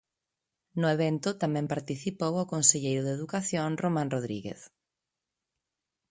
No evento tamén participou o conselleiro de Educación, Román Rodríguez.